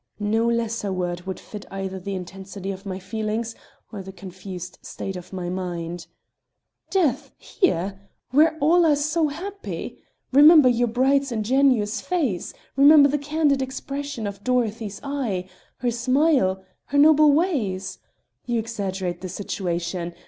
No lesser word would fit either the intensity of my feeling or the confused state of my mind. "Death here! where all are so happy! Remember your bride's ingenuous face! Remember the candid expression of Dorothy's eye her smile her noble ways! You exaggerate the situation.